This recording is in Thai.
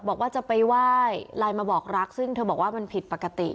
บอกว่าจะไปไหว้ไลน์มาบอกรักซึ่งเธอบอกว่ามันผิดปกติ